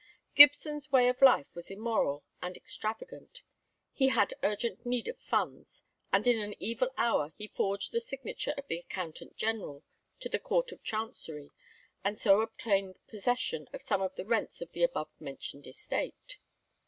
Gibson's way of life was immoral and extravagant. He had urgent need of funds, and in an evil hour he forged the signature of the Accountant General to the Court of Chancery, and so obtained possession of some of the rents of the above mentioned estate.